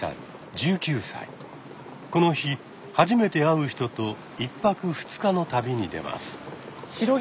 この日初めて会う人と１泊２日の旅に出ます。